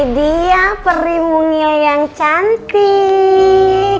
dia peri mungil yang cantik